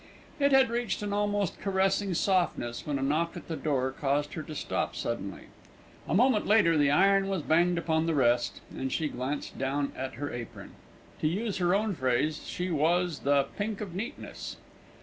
It had reached an almost caressing softness, when a knock at the door caused her to stop suddenly. A moment later, the iron was banged upon the rest, and she glanced down at her apron. To use her own phrase, she was the "pink of neatness."